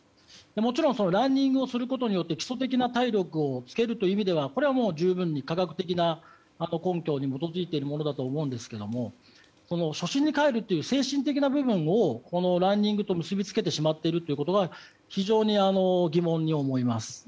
もちろんランニングをすることで基礎的な体力をつけるという意味では十分に科学的な根拠に基づいているものだと思うんですが初心に帰るという精神的な部分をランニングと結びつけてしまっているということは非常に疑問に思います。